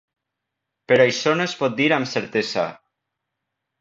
Però això no es pot dir amb certesa.